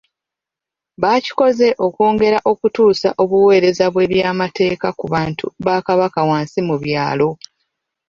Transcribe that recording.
Bakikoze okwongera okutuusa obuweereza bw'ebyamateeka ku bantu ba Kabaka wansi mu byalo